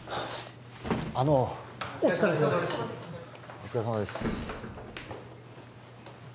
お疲れさまです